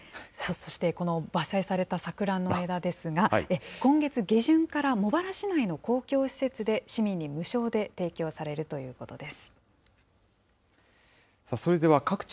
そしてこの伐採された桜の枝ですが、今月下旬から茂原市内の公共施設で、市民に無償で提供されるということです。